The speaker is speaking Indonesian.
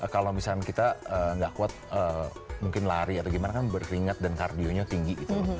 kalau misalnya kita nggak kuat mungkin lari atau gimana kan berkeringat dan kardionya tinggi gitu